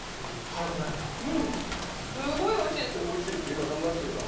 今食べましたけど。